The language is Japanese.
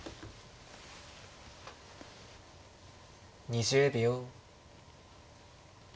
２０秒。